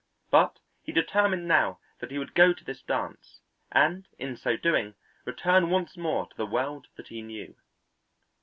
But he determined now that he would go to this dance and in so doing return once more to the world that he knew.